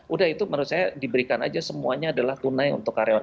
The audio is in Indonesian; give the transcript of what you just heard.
udah itu menurut saya diberikan aja semuanya adalah tunai untuk karyawan